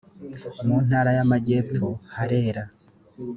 mu ntara y aamajyepfo harera